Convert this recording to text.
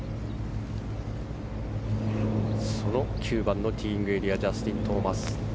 その９番のティーイングエリアジャスティン・トーマス。